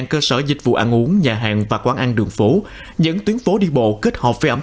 ba mươi hai cơ sở dịch vụ ăn uống nhà hàng và quán ăn đường phố những tuyến phố đi bộ kết hợp với ẩm